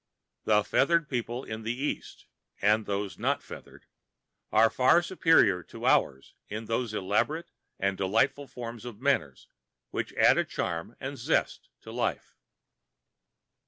The feathered people in the East, and those not feathered, are far superior to ours in those elaborate and delightful forms of manner which add a charm and zest to life.